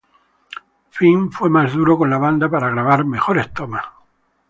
Finn fue más duro con la banda para grabar mejores tomas.